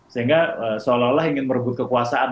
sehingga seolah olah ingin merebut kekuasaan